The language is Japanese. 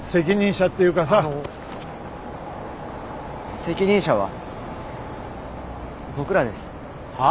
責任者は僕らです。はあ？